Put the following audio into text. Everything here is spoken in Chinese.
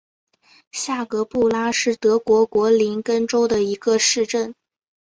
下格布拉是德国图林根州的一个市镇。